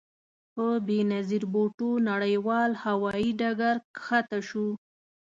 په بې نظیر بوټو نړیوال هوايي ډګر کښته شوو.